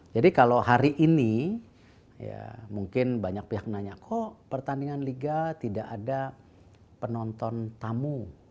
jadi kalau hari ini ya mungkin banyak pihak nanya kok pertandingan liga tidak ada penonton tamu